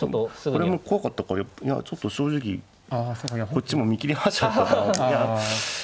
これも怖かったからいやちょっと正直こっちも見切り発車だったかな。